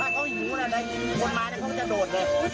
ถ้าเขาอยู่อะไรบนมาเขาจะโดดเลย